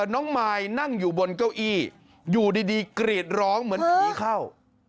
น้องมายนั่งอยู่บนเก้าอี้อยู่ดีกรีดร้องเหมือนผีเข้า